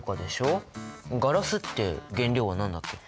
ガラスって原料は何だっけ？